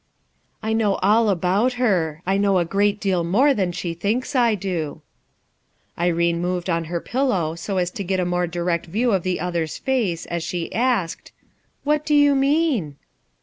"I know all about her; I know a great deal more than she thinks I do." Irene moved on her pillow so as to get a more direct view of the other's face as she asked:— "What do you mean?"